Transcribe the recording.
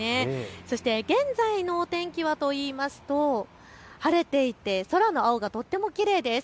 そして現在のお天気はというと晴れていて空の青がとってもきれいです。